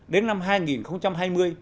đến năm hai nghìn hai mươi